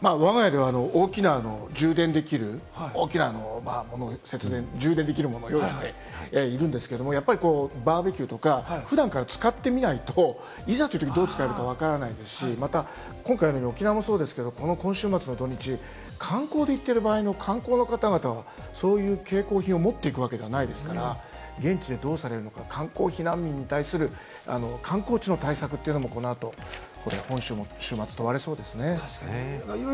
わが家では大きな充電できるものを用意しているんですけれども、やっぱりバーベキューとか普段から使ってみないと、いざというときにどう使えるかわからないし、今回の沖縄もそうですけど、今週末の土日、観光で行ってる場合の観光の方々、そういう携行品を持っていくわけじゃないので、現地でどうされるのか、観光地の対策というのも今週の週末、問われそうですね。